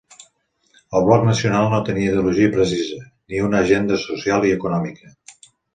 El Bloc Nacional no tenia ideologia precisa, ni una agenda social i econòmica.